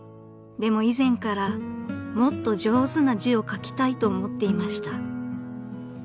［でも以前からもっと上手な字を書きたいと思っていました］